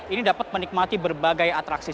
ini dapat menikmati berbagai atraksi